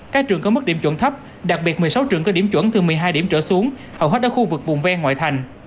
các trường có mức điểm chuẩn thấp đặc biệt một mươi sáu trường có điểm chuẩn từ một mươi hai điểm trở xuống hầu hết đã khu vực vùng ven ngoại thành